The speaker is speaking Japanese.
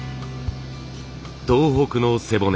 東北の背骨